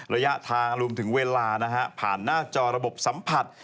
ระยะทางรวมถึงเวลานะฮะผ่านหน้าจอระบบสัมผัส